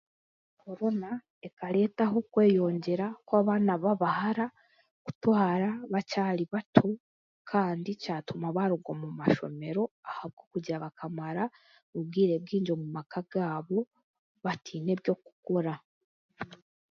korona ekareetaho kweyongera kw'abaana b'abahara kutwara bakyari bato kandi kyatuma baruga omu mashomero ahabw'okugira bakamara obwire bwingi omu maaka gaabo bateine by'okukora.